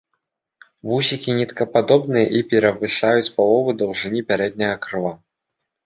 Вусікі ніткападобныя і перавышаюць палову даўжыні пярэдняга крыла.